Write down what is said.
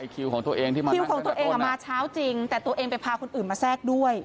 คิวของตัวเองมาเช้าจริงแต่ตัวเองไปพาคนอื่นมาแทรกด้วย